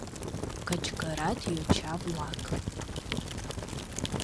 кычкырат йоча-влак.